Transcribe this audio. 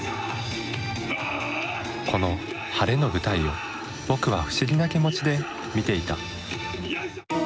このハレの舞台を僕は不思議な気持ちで見ていた。